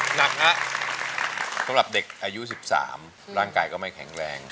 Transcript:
หนักฮะสำหรับเด็กอายุ๑๓ร่างกายก็ไม่แข็งแรง